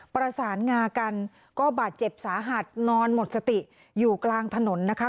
ประสานงากันก็บาดเจ็บสาหัสนอนหมดสติอยู่กลางถนนนะคะ